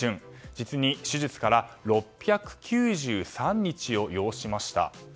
実に手術から６９３日を要しました。